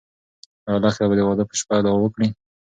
ایا لښته به د واده په شپه دعا وکړي؟